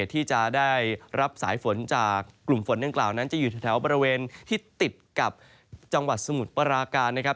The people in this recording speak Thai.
ที่จะได้รับสายฝนจากกลุ่มฝนดังกล่าวนั้นจะอยู่แถวบริเวณที่ติดกับจังหวัดสมุทรปราการนะครับ